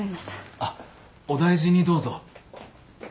あっお大事にどうぞ。